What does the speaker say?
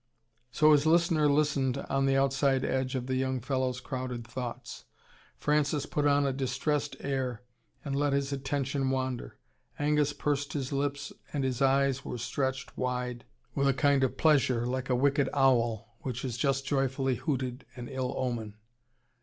So his listener listened on the outside edge of the young fellow's crowded thoughts. Francis put on a distressed air, and let his attention wander. Angus pursed his lips and his eyes were stretched wide with a kind of pleasure, like a wicked owl which has just joyfully hooted an ill omen.